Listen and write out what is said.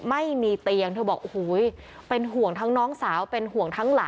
ไม่มีเตียงเธอบอกบอกน้องสาว